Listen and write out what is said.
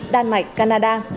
đan mạch canada